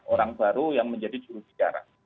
orang baru yang menjadi jurubicara